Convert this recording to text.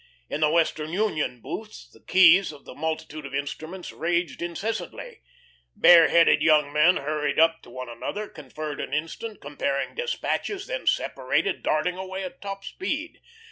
In the Western Union booths the keys of the multitude of instruments raged incessantly. Bare headed young men hurried up to one another, conferred an instant comparing despatches, then separated, darting away at top speed.